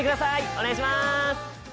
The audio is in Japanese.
お願いします。